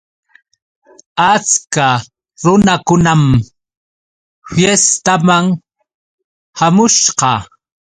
Achka runakunam fiestaman hamushqa.